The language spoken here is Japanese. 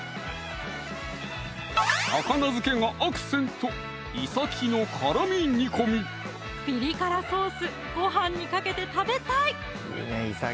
高菜漬けがアクセントピリ辛ソースごはんにかけて食べたい！